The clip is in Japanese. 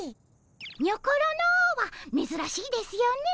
にょころのはめずらしいですよね。